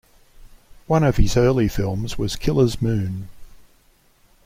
One of his early films was "Killer's Moon".